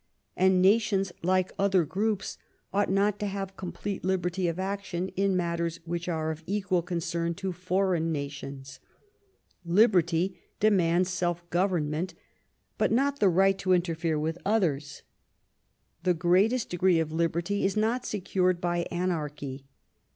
And nations, like other groups, ought not to have complete liberty of action in matters which are of equal concern to foreign nations. Liberty demands self government, but not the right to interfere with others. The greatest degree of liberty is not secured by anarchy.